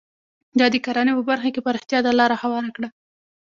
دا د کرنې په برخه کې پراختیا ته لار هواره کړه.